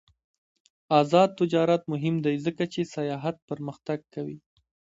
آزاد تجارت مهم دی ځکه چې سیاحت پرمختګ کوي.